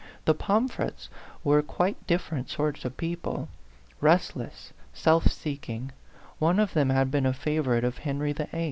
The Pom frets were quite dif ferent sort of people restless, self seeking ; one of them had been a favorite of Henry VIII."